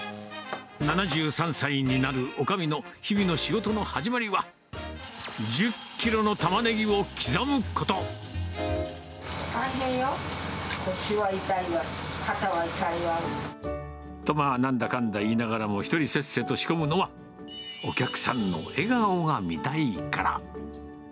７３歳になるおかみの日々の仕事の始まりは、大変よ、とまあ、なんだかんだ言いながらも、１人せっせと仕込むのは、お客さんの笑顔が見たいから。